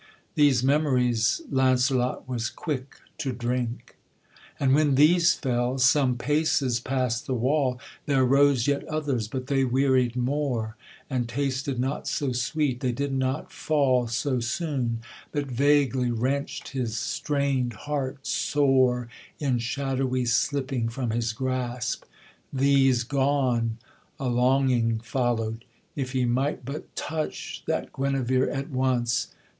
These memories Launcelot was quick to drink; And when these fell, some paces past the wall, There rose yet others, but they wearied more, And tasted not so sweet; they did not fall So soon, but vaguely wrenched his strained heart sore In shadowy slipping from his grasp: these gone, A longing followed; if he might but touch That Guenevere at once!